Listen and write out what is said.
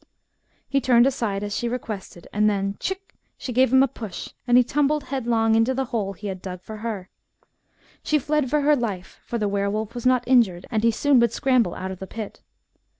" He turned aside as she requested, and then — tchich ! she gave him a push, and he tumbled headlong into the hole he had dug for her. " She fled for her life, for the were wolf was not injured, and he soon would' scramble out of the pit.